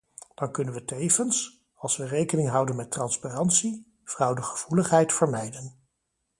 Dan kunnen we tevens, als we rekening houden met transparantie, fraudegevoeligheid vermijden.